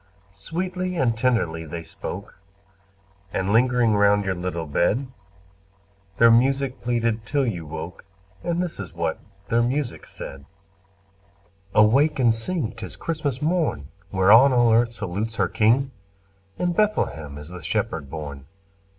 Sweetly and tenderly they spoke, And lingering round your little bed, Their music pleaded till you woke, And this is what their music said: "Awake and sing! 'tis Christmas morn, Whereon all earth salutes her King! In Bethlehem is the Shepherd born.